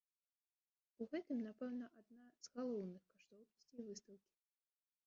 У гэтым напэўна адна з галоўных каштоўнасцей выстаўкі.